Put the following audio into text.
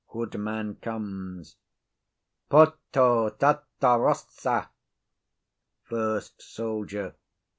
Hoodman comes! Portotartarossa. FIRST SOLDIER.